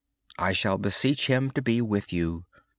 I shall beseech Him to be with you.